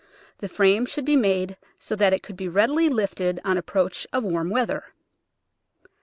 The frame should be made so that it could be readily lifted on the approach of warm weather.